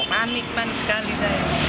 panik panik sekali saya